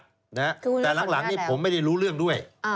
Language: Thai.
คือคุณเลือกคุณอนุญาตแล้วแต่หลังนี่ผมไม่ได้รู้เรื่องด้วย